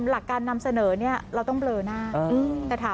หลักการนำเสนอเนี่ยเราต้องเบลอหน้า